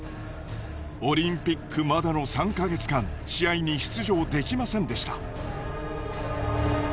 オリンピックまでの３か月間試合に出場できませんでした。